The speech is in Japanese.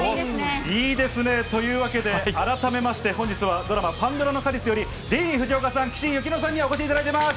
いいですね。というわけで改めまして、本日はドラマ、パンドラの果実より、ディーン・フジオカさん、岸井ゆきのさんにお越しいただいています。